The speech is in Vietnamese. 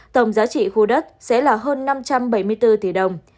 tổng giá trị khu đất sẽ là hơn năm trăm bảy mươi bốn tỷ đồng